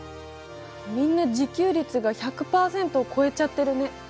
みんな自給率が１００％を超えちゃってるね。